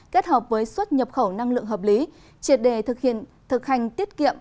kết hợp với suất nhập khẩu năng lượng hợp lý triệt đề thực hành tiết kiệm